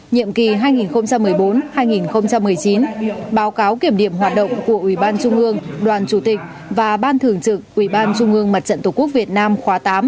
nhiệm kỳ hai nghìn một mươi bốn hai nghìn một mươi chín báo cáo kiểm điểm hoạt động của ủy ban trung ương đoàn chủ tịch và ban thường trực ủy ban trung ương mặt trận tổ quốc việt nam khóa tám